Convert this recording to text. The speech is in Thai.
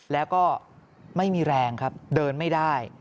แล้วก็ไม่มีแรงครับเดินไม่ได้